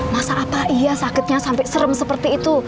masa apa iya sakitnya sampai serem seperti itu